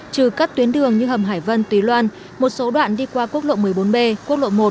trừ các tuyến đường như hầm hải vân tùy loan một số đoạn đi qua quốc lộ một mươi bốn b quốc lộ một